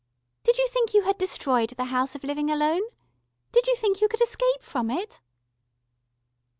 Did you think you had destroyed the House of Living Alone? Did you think you could escape from it?"